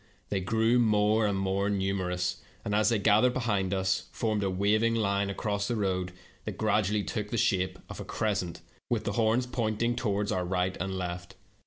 They grew more and more numerous, and, as they gathered behind us, formed a waving line across the road that gradually took the shape of a cres cent, with the horns pointing toward our right and left.